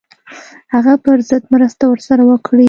هغه پر ضد مرسته ورسره وکړي.